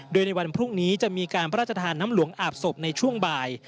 โดยในวันพรุ่งนี้จะมีการพระราชทานน้ำหลวงอาบศพในช่วงบ่าย